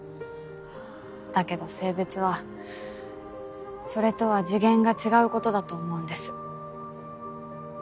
だけど性別はそれとは次元が違うことだと思うんです。